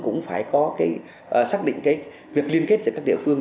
cũng phải có cái xác định cái việc liên kết giữa các địa phương